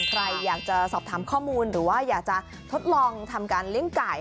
ใครอยากจะสอบถามข้อมูลหรือว่าอยากจะทดลองทำการเลี้ยงไก่